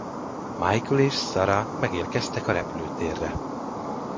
Michael és Sara megérkeznek a repülőtérre.